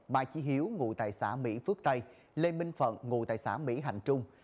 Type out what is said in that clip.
mai trí hiếu ngụ tại xã mỹ phước tây lê minh phận ngụ tại xã mỹ hành trung